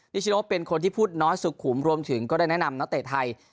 ชโนเป็นคนที่พูดน้อยสุขุมรวมถึงก็ได้แนะนำนักเตะไทย